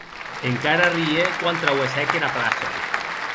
Encara arrie quan trauessèc era plaça.